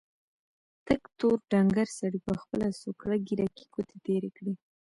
تک تور ډنګر سړي په خپله څوکړه ږيره کې ګوتې تېرې کړې.